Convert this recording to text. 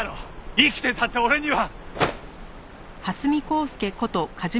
生きてたって俺には。